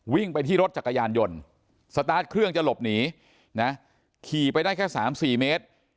วิ่งไปที่รถจักรยานยนต์สตาร์ทเครื่องจะหลบหนีนะขี่ไปได้แค่๓๔เมตร